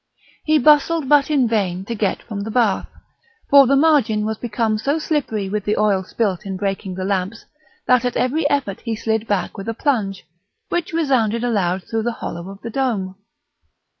He bustled, but in vain, to get from the bath, for the margin was become so slippery with the oil spilt in breaking the lamps, that at every effort he slid back with a plunge, which resounded aloud through the hollow of the dome.